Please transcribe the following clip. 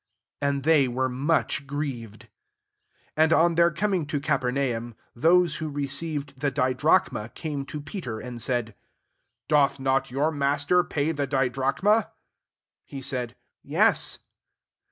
And they were much grieved. 24 And on their coming to Capernaum^ those who re ceived the didrachmaf came to Peter, and said, " Doth not your master pay the di drachma ?'' 25 He said, *« Yes."